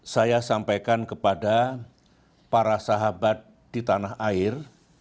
saya sampaikan kepada para sahabat di tanah air